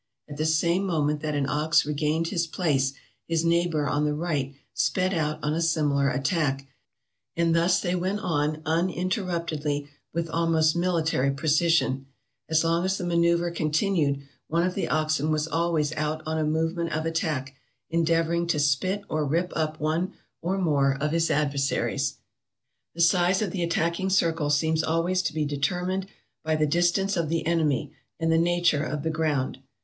At the same moment that an ox regained his place, his neighbor on the right sped out on a similar attack, and thus they went on uninter ruptedly with almost military precision. As long as the ma neuver continued, one of the oxen was always out on a move ment of attack, endeavoring to spit or rip up one or more of his adversaries. " The size of the attacking circle seems always to be deter mined by the distance of the enemy and the nature of the ground.